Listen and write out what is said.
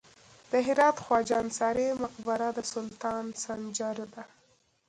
د هرات خواجه انصاري مقبره د سلطان سنجر ده